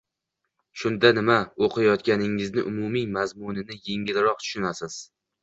Shunda nima oʻqiyotganingizni, umumiy mazmunni yengilroq tushunasiz